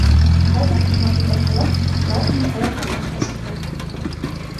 Хәҙер икмәкте тапһалар, барыһын да аяҡҡа баҫтырасаҡтар.